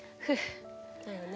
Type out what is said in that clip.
だよね。